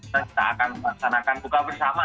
kita akan melaksanakan buka bersama